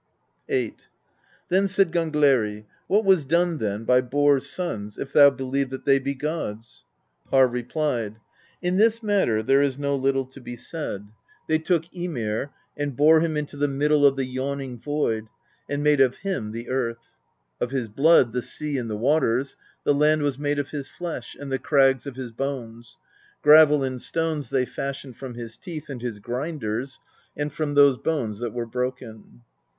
VIII. Then said Gangleri: "What was done then by Borr's sons, if thou believe that they be gods ?" Harr re plied: "In this matter there is no little to be said. They took ' Literally, mill bench or mortar. 20 PROSE EDDA Ymir and bore him into the middle of the Yawning Void, and made of him the earth : of his blood the sea and the waters; the land was made of his flesh, and the crags of his bones; gravel and stones they fashioned from his teeth and his grinders and from those bones that were broken."